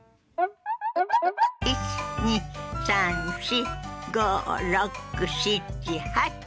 １２３４５６７８。